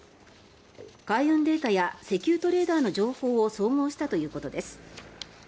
海運データや石油トレーダーの情報を総合したということです。